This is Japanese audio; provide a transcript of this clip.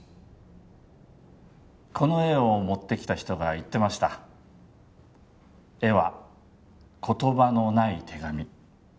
この絵を持ってきた人が言ってました絵は言葉のない手紙